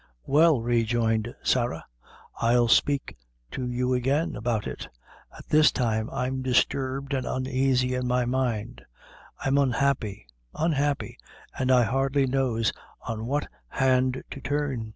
"Well," rejoined Sarah, "I'll spake to you again, about it; at this time I'm disturbed and unaisy in my mind; I'm unhappy unhappy an' I hardly knows on what hand to turn.